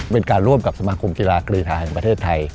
เป็นการร่วมกับสมาคมกีฬากรีธาแห่งประเทศไทย